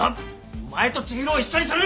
お前と知博を一緒にするな！